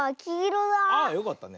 あっよかったね。